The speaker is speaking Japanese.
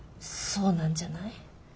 そうなんじゃない？